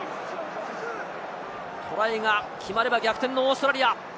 トライが決まれば逆転のオーストラリア。